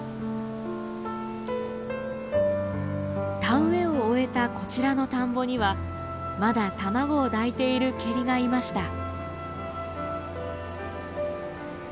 田植えを終えたこちらの田んぼにはまだ卵を抱いているケリがいました。